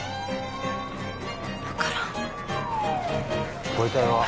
分からんご遺体は？